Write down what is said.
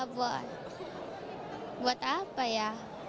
buat apa ya